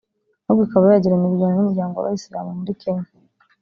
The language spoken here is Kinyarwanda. ahubwo ikaba yagirana ibiganiro n’umuryango w’Abayisilamu muri Kenya